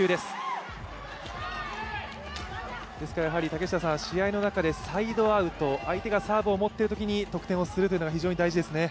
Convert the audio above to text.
竹下さん、試合の中でサイドアウト相手がサーブを持っているときに得点をするのが非常に大事ですね。